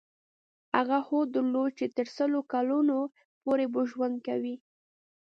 هغه هوډ درلود چې تر سلو کلونو پورې به ژوند کوي.